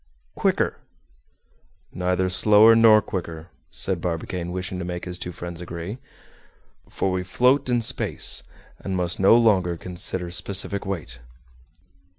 "Quicker." "Neither slower nor quicker," said Barbicane, wishing to make his two friends agree; "for we float is space, and must no longer consider specific weight."